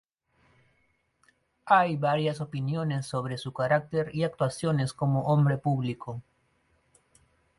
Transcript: Hay varias opiniones sobre su carácter y actuaciones como hombre público.